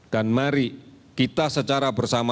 dan mari kita secara bersama